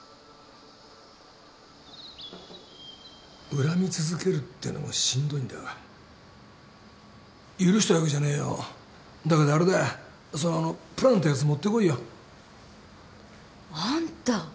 恨み続けるっていうのはしん許したわけじゃねぇよだけどあれだそのあのプランってやつ持ってこいよ。あんた。